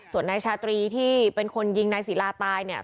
ส่วนนายชาตรีที่เป็นคนยิงนายศิลาตายเนี่ย